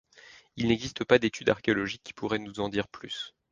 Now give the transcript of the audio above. Il n'existe pas d'étude archéologique qui pourrait nous en dire plus.